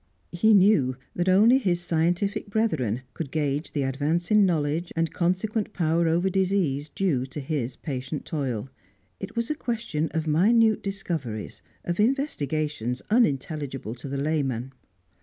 He knew that only his scientific brethren could gauge the advance in knowledge, and consequent power over disease, due to his patient toil; it was a question of minute discoveries, of investigations unintelligible to the layman.